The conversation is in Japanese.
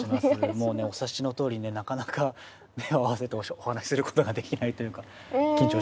もうねお察しのとおりねなかなか目を合わせてお話しする事ができないというか緊張してます。